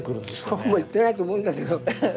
そうもいってないと思うんだけど。